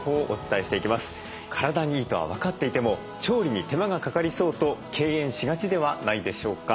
体にいいとは分かっていても調理に手間がかかりそうと敬遠しがちではないでしょうか。